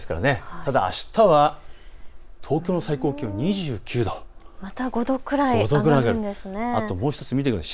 ただ、あしたは東京の最高気温２９度、５度くらい違いますね。